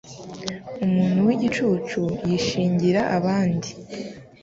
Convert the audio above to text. Umuntu w’igicucu yishingira abandi